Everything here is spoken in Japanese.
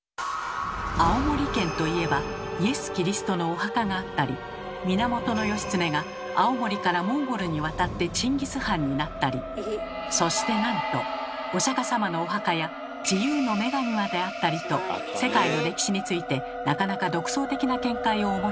青森県といえばイエス・キリストのお墓があったり源義経が青森からモンゴルに渡ってチンギス・ハンになったりそしてなんとお釈様のお墓や自由の女神まであったりと世界の歴史についてなかなか独創的な見解をお持ちの県。